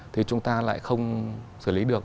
thì chúng ta lại không xử lý được